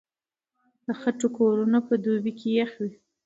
د خټو کورونه په دوبي کې يخ وي.